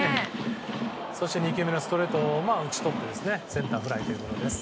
そして２球目のストレートを打ち取ってセンターフライということです。